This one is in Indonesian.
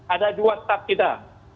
ada dua staf kita